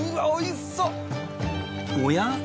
おや？